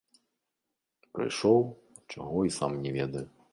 Прыйшоў, а чаго, і сам не ведаю.